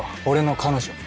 俺の彼女。